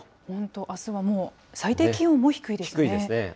本当、あすはもう、最低気温も低いですね。